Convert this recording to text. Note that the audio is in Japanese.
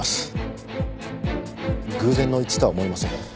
偶然の一致とは思えません。